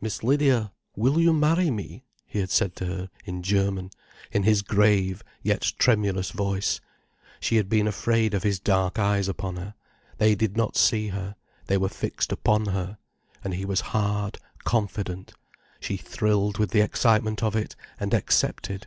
"Miss Lydia, will you marry me?" he had said to her in German, in his grave, yet tremulous voice. She had been afraid of his dark eyes upon her. They did not see her, they were fixed upon her. And he was hard, confident. She thrilled with the excitement of it, and accepted.